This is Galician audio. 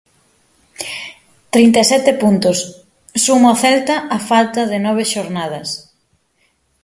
Trinta e sete puntos suma o Celta á falta de nove xornadas.